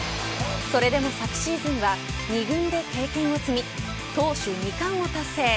それでも昨シーズンは２軍で経験を積み投手２冠を達成。